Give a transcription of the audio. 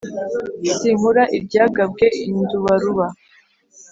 sinkura iryagabwe i ndubaruba